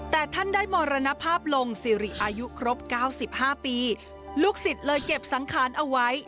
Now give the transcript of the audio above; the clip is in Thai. แต่ท่านได้มรณภาพลงสิริอายุครบ๙๕ปีลูกศิษย์เลยเก็บสังขารเอาไว้